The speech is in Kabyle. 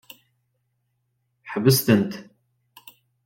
Ḥbes-tent!